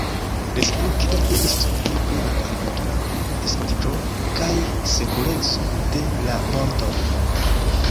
Reciproke, ili devis zorgi pri la agrikultura disvolviĝo kaj sekureco de la bordoj.